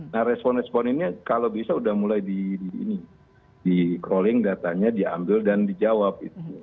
nah respon respon ini kalau bisa sudah mulai di crawling datanya diambil dan dijawab